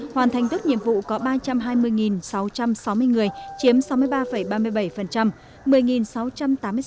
hoàn thành tốt nhiệm vụ có ba trăm hai mươi sáu trăm sáu mươi người chiếm sáu mươi ba ba mươi bảy